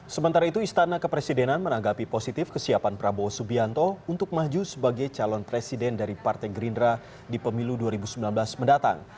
sementara itu istana kepresidenan menanggapi positif kesiapan prabowo subianto untuk maju sebagai calon presiden dari partai gerindra di pemilu dua ribu sembilan belas mendatang